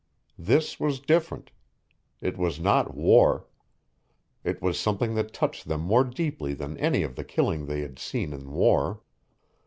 This was different. It was not war. It was something that touched them more deeply than any of the killing they had seen in war.